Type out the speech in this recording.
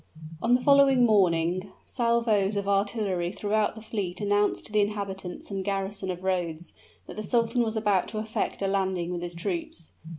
On the following morning, salvoes of artillery throughout the fleet announced to the inhabitants and garrison of Rhodes, that the sultan was about to effect a landing with his troops.